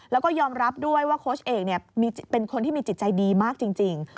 แล้วก็ยอมรับด้วยว่าโค้ชเอกเป็นคนที่มีจิตใจดีมากจริง